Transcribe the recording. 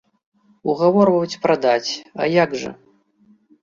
Угаворваюць прадаць, а як жа!